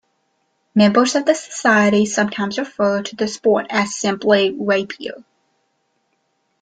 Members of the society sometimes refer to the sport as simply rapier.